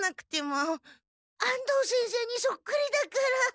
安藤先生にそっくりだから。